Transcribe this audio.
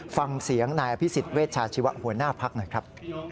ฟังเสียงนายอภิษฎเวชาชีวะหัวหน้าพักหน่อยครับ